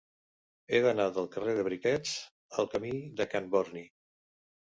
He d'anar del carrer de Briquets al camí de Can Borni.